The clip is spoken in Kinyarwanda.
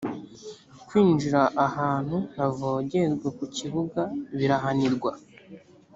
kwinjira ahantu ntavogerwa ku kibuga birahanirwa